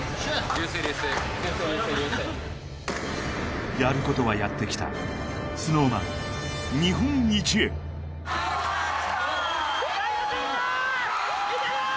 流水流水やることはやってきたＳｎｏｗＭａｎ日本一へ・いけるよー！